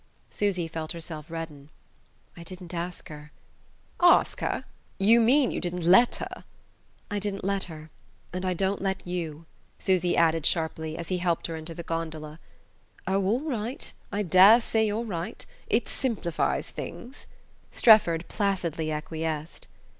Susy felt herself redden. "I didn't ask her " "Ask her? You mean you didn't let her!" "I didn't let her. And I don't let you," Susy added sharply, as he helped her into the gondola. "Oh, all right: I daresay you're right. It simplifies things," Strefford placidly acquiesced.